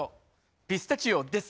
ピスタチオです。